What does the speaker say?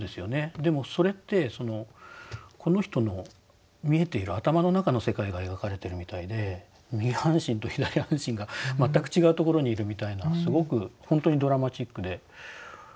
でもそれってこの人の見えている頭の中の世界が描かれてるみたいで右半身と左半身が全く違うところにいるみたいなすごく本当にドラマチックでびっくりしちゃいました。